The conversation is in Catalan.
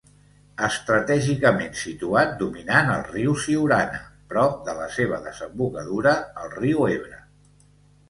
Estratègicament situat dominant el riu Siurana, prop de la seva desembocadura al riu Ebre.